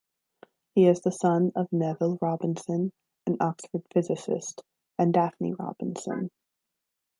He is the son of Neville Robinson, an Oxford physicist, and Daphne Robinson.